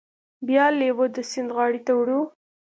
بیا لیوه د سیند غاړې ته وړو.